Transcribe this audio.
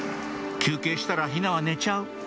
「休憩したら陽菜は寝ちゃう」